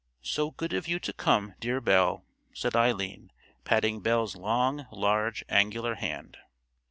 "So good of you to come, dear Belle," said Eileen, patting Belle's long, large, angular hand.